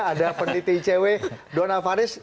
ada pendidik icw donald faris